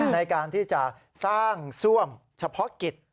ในการที่จะสร้างซ่วมเฉพาะกิจ